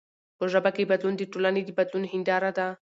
په ژبه کښي بدلون د ټولني د بدلون هنداره ده.